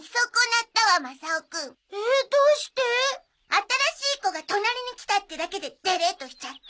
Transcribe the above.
新しい子が隣に来たってだけででれっとしちゃって。